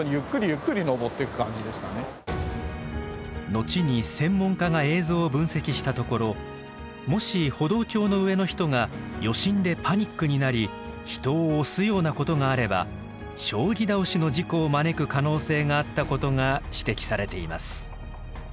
後に専門家が映像を分析したところもし歩道橋の上の人が余震でパニックになり人を押すようなことがあれば将棋倒しの事故を招く可能性があったことが指摘されています。